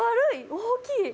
大きい！